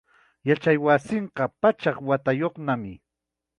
Yachaywasinqa pachak watayuqnami.